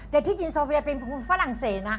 แต่ที่จีนโซเวียเป็นฝรั่งเศสนะ